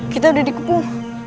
kita sudah dikubur